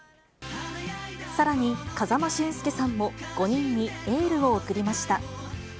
さらに、風間俊介さんも５人にエールを送りました。